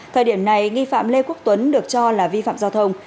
thời điểm này nghi phạm lê quốc tuấn được cho là vi phạm giao thông